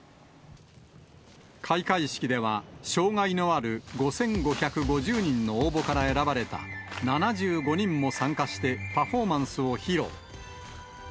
開会式では、障がいのある５５５０人の応募から選ばれた７５人も参加して、パフォーマンスを披露。